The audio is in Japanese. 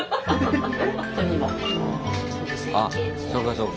あそうかそうか。